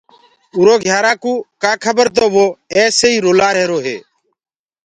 اُرو گھيارآ ڪوُ ڪآ کبر تو وو ايسي ئي رُلآ رهيرو هي۔